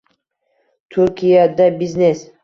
Turkiyada biznes